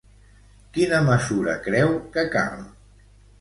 Quina mesura creu que cal?